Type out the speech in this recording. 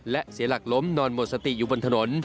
และเสียหลักล้มนอนหมดสติอยู่บนถนน